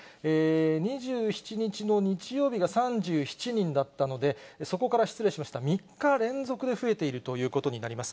２７日の日曜日が３７人だったので、そこから、失礼しました、３日連続で増えているということになります。